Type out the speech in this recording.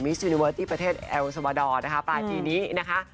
สยูนิเวิร์ดที่ประเทศแอลซาบาดอร์นะคะปลายปีนี้นะคะ